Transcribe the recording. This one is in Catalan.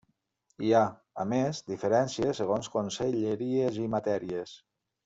Hi ha, a més, diferències segons conselleries i matèries.